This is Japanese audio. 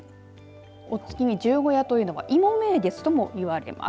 お月見、十五夜というのは芋名月ともいわれています。